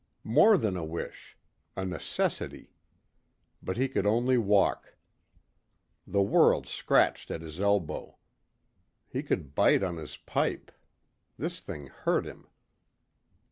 More than a wish. A necessity. But he could only walk. The world scratched at his elbow. He could bite on his pipe. This thing hurt him.